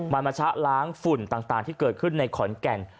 มันมาชะล้างฝุ่นต่างที่เกิดขึ้นในขอนแก่น